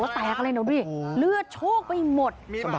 แตกเลยเลือดโชคไปหมด